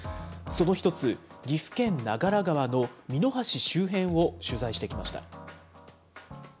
その１つ、岐阜県長良川の美濃橋周辺を取材してきました。